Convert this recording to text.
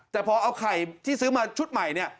แต่พอเอาไข่ที่ซื้อมาชุดใหม่เนี่ย